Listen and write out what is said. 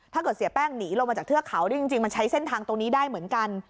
เสียแป้งหนีลงมาจากเทือกเขานี่จริงมันใช้เส้นทางตรงนี้ได้เหมือนกัน